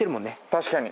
確かに。